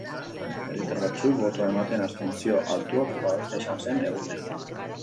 Herritar batzuk botoa ematen, abstentzio altua protagonista izan zen egunean.